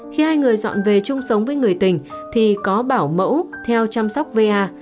khi hai người dọn về chung sống với người tình thì có bảo mẫu theo chăm sóc va